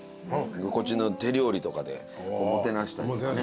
こっちの手料理とかでもてなしたりとか。